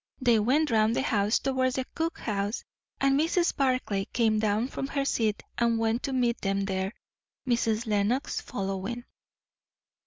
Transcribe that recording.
They went round the house towards the cook house; and Mrs. Barclay came down from her seat and went to meet them there, Mrs. Lenox following.